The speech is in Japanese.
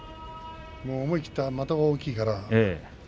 思い切って、的が大きいから。